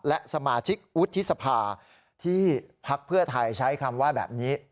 และสมาชิกวุฒิสภาที่พักเพื่อไทยใช้คำว่าแบบนี้